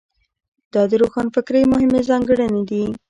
دا د روښانفکرۍ مهمې ځانګړنې دي.